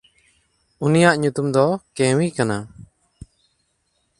ᱩᱱᱤᱭᱟᱜ ᱧᱩᱛᱩᱢ ᱫᱚ ᱠᱮᱶᱭ ᱠᱟᱱᱟ᱾